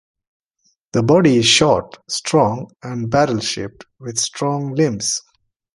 The body is short, strong and barrel-shaped, with strong limbs.